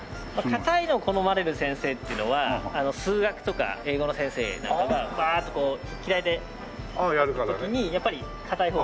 硬いのを好まれる先生っていうのは数学とか英語の先生なんかがバーッとこう筆記体で書く時にやっぱり硬い方が。